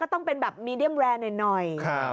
ต้องเป็นแบบมีเดียมแรร์หน่อย